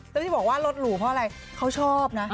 แล้วที่บอกว่ารถหรูเพราะอะไรเขาชอบนะ